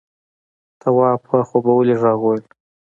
تواب په خوبولي غږ وويل: